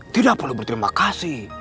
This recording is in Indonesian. tidak perlu berterima kasih